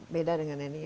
beda dengan ini